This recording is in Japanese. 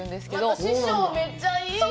また師匠、めっちゃいい人！